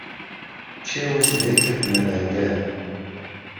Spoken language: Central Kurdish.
کێوت لێکردنه لهنگهر